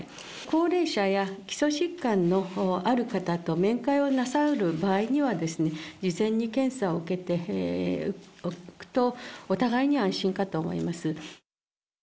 高齢者や基礎疾患のある方と面会をなさる場合には、事前に検査を受けておくと、お互いに安心かと思います。